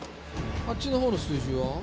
あっちの方の数字は？